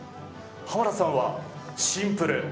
濱田さんはシンプル。